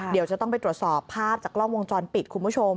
เดี๋ยวจะต้องไปตรวจสอบภาพจากกล้องวงจรปิดคุณผู้ชม